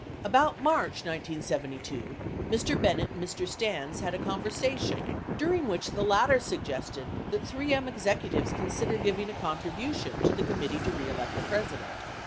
About March 1972, Mr. Bennett and Mr. Stans had a conversation during which the latter suggested that 3M executives consider giving a contribu tion to the Committee to Re Elect the President.